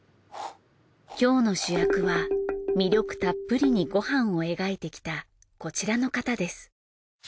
今日の主役は魅力たっぷりにご飯を描いてきたこちらの方です。